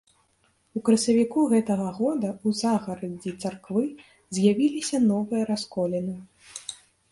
У красавіку гэтага года ў загарадзі царквы з'явіліся новыя расколіны.